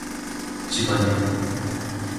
ジバニャン